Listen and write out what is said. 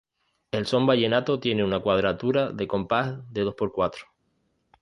El son vallenato tiene una cuadratura de compás de dos por cuatro.